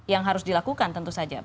yang harus dilakukan tentu saja